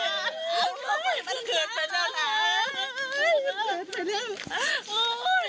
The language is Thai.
แม็กกี้อยากบอกอะไรกับครอบครัวภรรยาไหมเป็นครั้งสุดท้าย